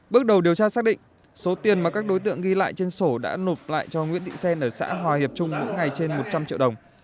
bước đầu điều tra xác định số tiền mà các đối tượng ghi lại trên sổ đã nộp lại cho nguyễn thị xen ở xã hòa hiệp trung mỗi ngày trên một trăm linh triệu đồng